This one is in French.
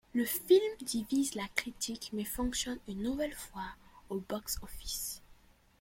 Le film divise la critique mais fonctionne une nouvelle fois au box-office.